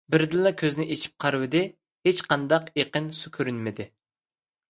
بىردىنلا كۆزىنى ئېچىپ قارىۋىدى، ھېچقانداق ئېقىن سۇ كۆرۈنمىدى.